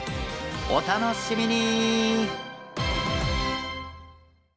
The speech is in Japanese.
お楽しみに！